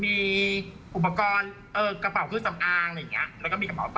มือถืออยู่กับตำรวจไปแล้วค่ะคุณแม่ต่องให้ตำรวจคิดเรียบร้อยแล้วค่ะ